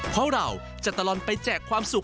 เพราะเราจะตลอดไปแจกความสุข